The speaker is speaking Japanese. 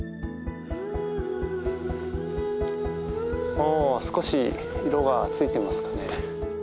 お少し色がついてますかね。